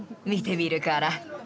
見てみるから。